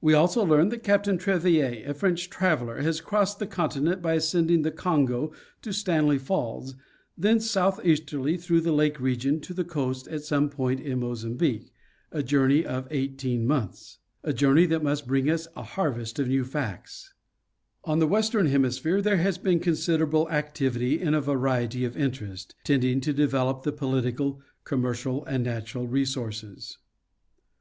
We also learn that Capt, Trevier, a French traveler, has crossed the continent by ascending the Congo to Stanley Falls, thence southeasterly through the lake region to the coast at some point in Mozambique, in a journey of eighteen months; a journey that must bring us a harvest of new facts. 36 National Geographic Magazine. On the western hemisphere there has been considerable activity in a variety of interest, tending to develop the political, commer cial and natural resources.